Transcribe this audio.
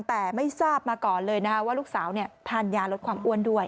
แต่ไม่ทราบมาก่อนเลยนะว่าลูกสาวทานยาลดความอ้วนด้วย